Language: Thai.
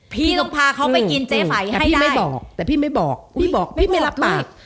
พี่ต้องพาเขาไปกินเจ๊ไฝค่ะแต่พี่ไม่บอกแต่พี่ไม่บอกพี่บอกพี่ไม่รับปาก